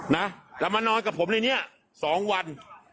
นะแต่มานอนกับผมในนี้๒วัน